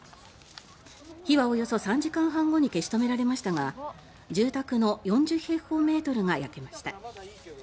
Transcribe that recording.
火はおよそ３時間半後に消し止められましたが住宅の４０平方メートルが焼けました。